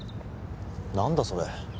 何だそれ